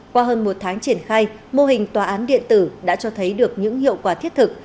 qua hơn một tháng triển khai mô hình tòa án điện tử đã cho thấy được những hiệu quả thiết thực